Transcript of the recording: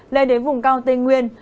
lên đến vùng cao tây nguyên